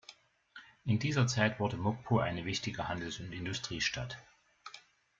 In dieser Zeit wurde Mokpo eine wichtige Handels- und Industriestadt.